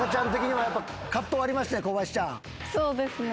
そうですね。